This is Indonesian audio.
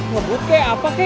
ngeput kayak apa ki